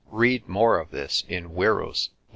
Read more of this in Wierus, l.